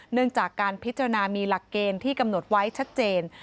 เนื่องจากการพิจารณามีหลักเกณฑ์ที่กำหนดไว้ชัดเจน